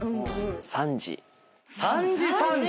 ３時・３時⁉３時・